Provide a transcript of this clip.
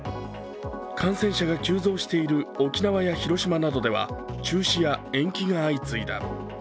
感染者が急増している沖縄や広島などでは中止や延期が相次いだ。